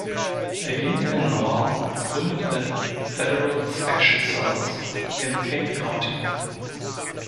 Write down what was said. Er ging in den Norden und gründete den "Federal Inspection Service" im King County.